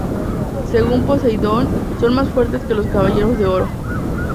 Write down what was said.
Según Poseidón, son más fuertes que los caballeros de oro.